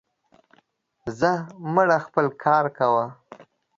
زه مړه, خپل کار کوه.